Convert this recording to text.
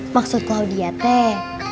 maksud klau dia teh